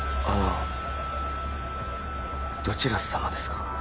あのどちらさまですか？